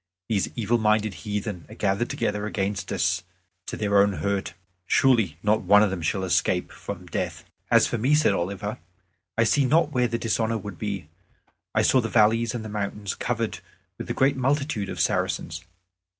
These evil minded heathen are gathered together against us to their own hurt. Surely not one of them shall escape from death." "As for me," said Oliver, "I see not where the dishonor would be. I saw the valleys and the mountains covered with the great multitude of Saracens.